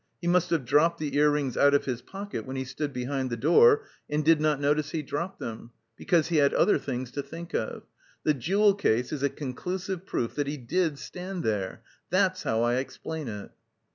He must have dropped the ear rings out of his pocket when he stood behind the door, and did not notice he dropped them, because he had other things to think of. The jewel case is a conclusive proof that he did stand there.... That's how I explain it."